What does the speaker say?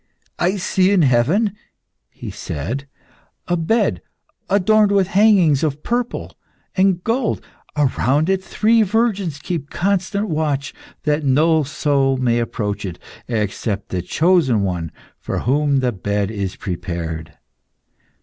"I see in heaven," he said, "a bed adorned with hangings of purple and gold. Around it three virgins keep constant watch that no soul may approach it, except the chosen one for whom the bed is prepared."